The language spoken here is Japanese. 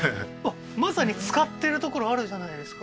まさに使ってるところあるじゃないですか